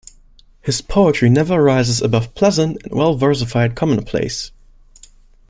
His poetry never rises above pleasant and well-versified commonplace.